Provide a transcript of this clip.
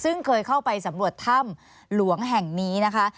ซึ่งเคยเข้าไปสำรวจถ้ำหลวงแห่งนี้นะคะ